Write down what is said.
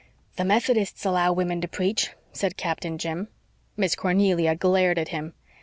"The Methodists allow women to preach," said Captain Jim. Miss Cornelia glared at him.